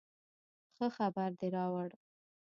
ښه خبر دې راوړ